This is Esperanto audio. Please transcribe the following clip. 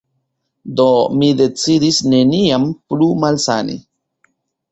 Do, mi decidis neniam plu malsani.